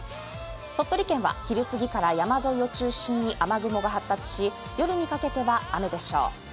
鳥取県は昼すぎから山沿いを中心に雨雲が発達し夜にかけては雨でしょう。